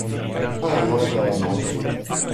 Anno Dom.